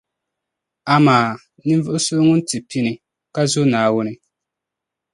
Amaa! Ninvuɣu so ŋun ti pini, ka zo Naawuni.